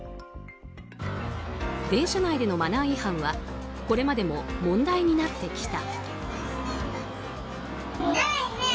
電車内でのマナー違反はこれまでも問題になってきた。